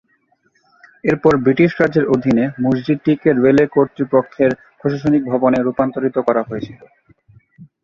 এরপর ব্রিটিশ রাজের অধীনে মসজিদটিকে রেলওয়ে কর্তৃপক্ষের প্রশাসনিক ভবনে রূপান্তরিত করা হয়েছিল।